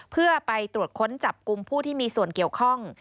เพื่อไปตรวจค้นจับกลุ่มผู้ที่มีส่วนเกี่ยวข้อง